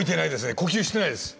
呼吸してないです。